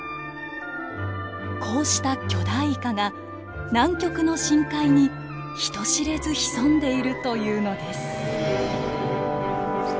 こうした巨大イカが南極の深海に人知れず潜んでいるというのです。